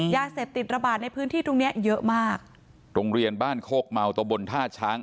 ยาเสพติดระบาดในพื้นที่ตรงเนี้ยเยอะมากโรงเรียนบ้านโคกเมาตะบนท่าช้าง